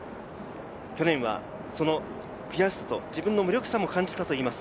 去年は悔しさと無力さを感じたといいます。